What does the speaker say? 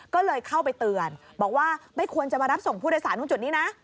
ก็เลยเข้าไปเตือนบอกว่าไม่ควรจะมารับส่งผู้โดยสารตรงจุดนี้นะ